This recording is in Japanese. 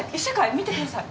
見てください。